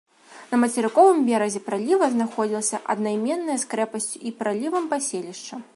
На мацерыковым беразе праліва знаходзілася аднайменнае з крэпасцю і пралівам паселішча.